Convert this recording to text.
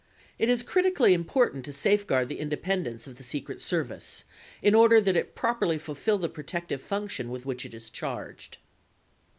It is critically important to safeguard the independence of the Secret Service in order that it properly fulfill the protective function with which it is charged.